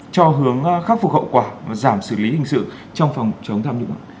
cho hướng khắc phục hậu quả và giảm xử lý hình sự trong phòng chống tham nhũng ạ